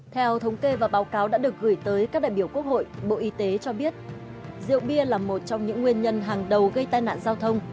theo thống kê và báo cáo đã được gửi tới các đại biểu quốc hội bộ y tế cho biết rượu bia là một trong những nguyên nhân hàng đầu gây tai nạn giao thông